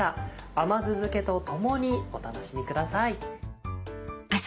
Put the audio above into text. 甘酢漬けと共にお楽しみください。